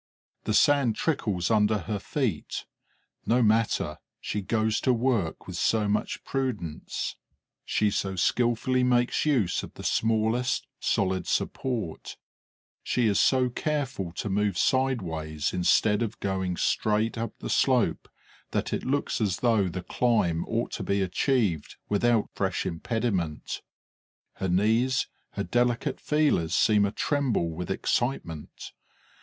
The sand trickles under her feet; no matter: she goes to work with so much prudence, she so skilfully makes use of the smallest solid support, she is so careful to move sideways instead of going straight up the slope that it looks as though the climb ought to be achieved without fresh impediment. Her knees, her delicate feelers seem atremble with excitement.